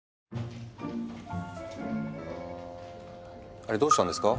あれどうしたんですか？